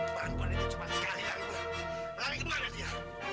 bang buane itu cepat sekali lalu lari kemana dia